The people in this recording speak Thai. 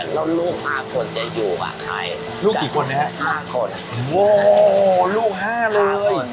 แล้วลูกหาคนจะอยู่กับใครลูกกี่คนนะครับห้าคนโหลูกห้าเลย